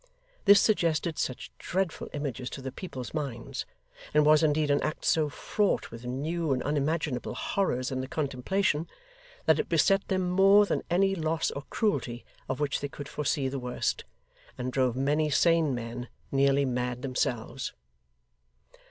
This suggested such dreadful images to the people's minds, and was indeed an act so fraught with new and unimaginable horrors in the contemplation, that it beset them more than any loss or cruelty of which they could foresee the worst, and drove many sane men nearly mad themselves.